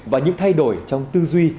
và những thay đổi trong tư duy